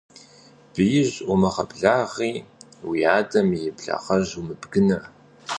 Биижь умыгъэблагъи, уи адэ и благъэжь умыбгынэ.